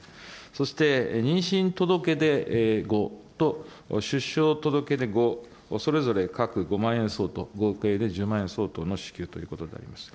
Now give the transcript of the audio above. そして妊娠届け出後と出生届け出後、それぞれ各５万円相当、合計で１０万円相当の支給ということになります。